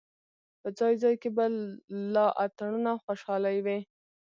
په ځای ځای کې به لا اتڼونه او خوشالۍ وې.